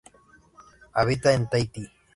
Habita en Tahití.